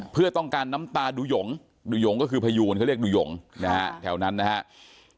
เพื่อต้องการน้ำตาดูหยงดูหยงก็คือพยูนเขาเรียกดูหยงนะฮะแถวนั้นนะครับ